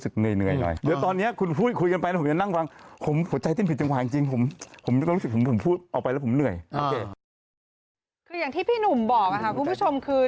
คืออย่างที่พี่หนุ่มบอกค่ะคุณผู้ชมคือ